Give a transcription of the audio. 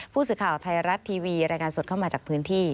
ผู้สื่อข่าวไทยรัฐทีวีรายงานสดเข้ามาจากพื้นที่